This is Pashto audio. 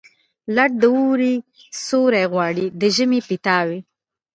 لټ د اوړي سیوري غواړي، د ژمي پیتاوي.